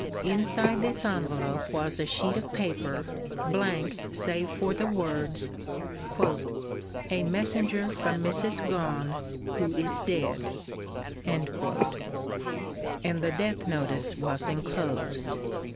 Inside this envelope was a sheet of paper, blank, save for the words, "A messenger from Mrs. Gone, who is dead"; and the death notice was enclosed.